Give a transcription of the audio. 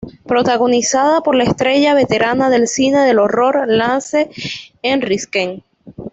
Protagonizada por la estrella veterana del cine de horror, Lance Henriksen.